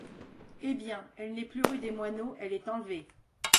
Eh! bien, elle n’est plus rue des Moineaux, elle est enlevée.